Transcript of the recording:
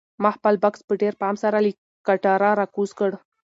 ما خپل بکس په ډېر پام سره له کټاره راکوز کړ.